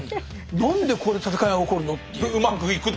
何でここで戦いが起こるの？っていう。